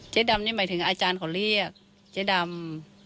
ดำนี่หมายถึงอาจารย์เขาเรียกเจ๊ดำ